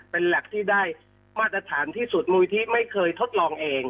เป็นแล็บที่ได้มาตรฐานที่สุดมูลิธิไม่เคยทดลองเอง